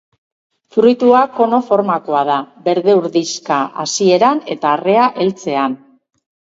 Fruitua kono formakoa da; berde-urdinxka hasieran, eta arrea heltzean.